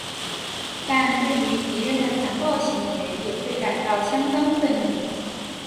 但对于敌人的残暴行为也会感到相当愤怒。